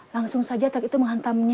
langsung saja truk itu menghantamnya